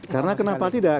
karena kenapa tidak